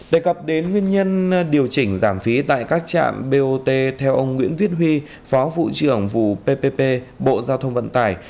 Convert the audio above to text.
đề cập đến nguyên nhân điều chỉnh giảm phí tại các trạm bot theo ông nguyễn viết huy phó vụ trưởng vụ ppp bộ giao thông vận tải